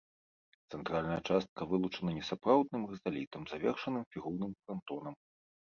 Цэнтральная частка вылучана несапраўдным рызалітам, завершаным фігурным франтонам.